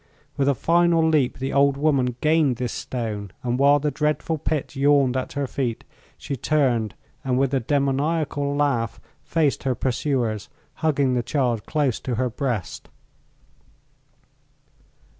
With a final leap the old woman gained this stone, and while the dreadful pit yawned at her feet she turned, and with a demoniacal laugh faced her pursuers, hugging the child close to her breast.